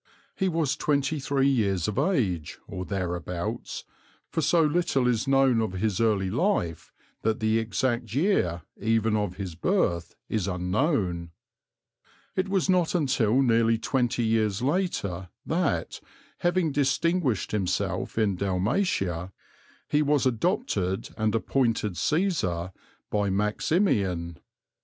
He was twenty three years of age, or thereabouts, for so little is known of his early life that the exact year even of his birth is unknown. It was not until nearly twenty years later that, having distinguished himself in Dalmatia, he was adopted and appointed Cæsar by Maximian.